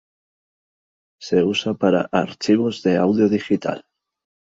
Se usa para archivos de audio digital.